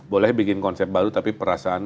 boleh bikin konsep baru tapi perasaan